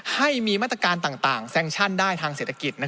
ให้มีมาตรการต่างแซงชั่นได้ทางเศรษฐกิจ